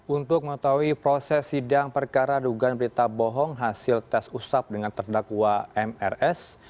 untuk mengetahui proses sidang perkara dugaan berita bohong hasil tes usap dengan terdakwa mrs